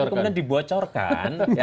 tetapi kemudian dibocorkan